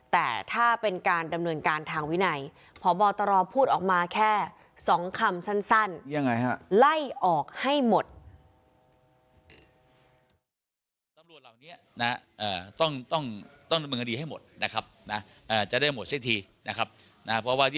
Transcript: แต่ถ้าเป็นการดำเนินการทางวินัยพบตรพูดออกมาแค่สองคำสั้น